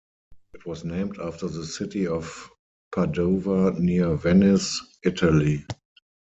It was named after the city of Padova, near Venice, Italy.